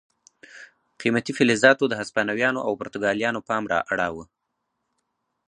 قیمتي فلزاتو د هسپانویانو او پرتګالیانو پام را اړاوه.